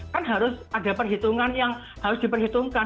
kan harus ada perhitungan yang harus diperhitungkan